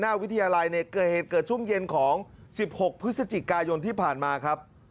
วิทยาลัยเนี่ยเกิดเหตุเกิดช่วงเย็นของ๑๖พฤศจิกายนที่ผ่านมาครับ